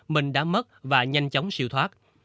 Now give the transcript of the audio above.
mình đã mất và nhanh chóng siêu thoát